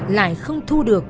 lại không thu được